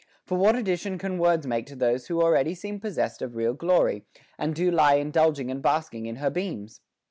For what addition can words make to those who already seem pos sessed of real glory, and do lie indulging and basking in her beams'?